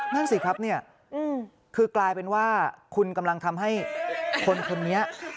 นั่นสิครับเนี่ยคือกลายเป็นว่าคุณกำลังทำให้คนคนนี้